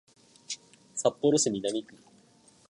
札幌市南区